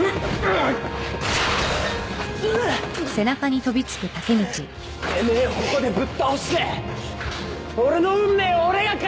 てめえをここでぶっ倒して俺の運命を俺が変える！